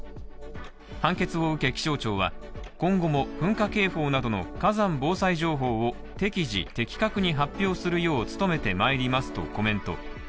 判決を受け気象庁は、今後も噴火警報などの火山防災情報を適時・的確に発表するよう努めてまいりますとコメント。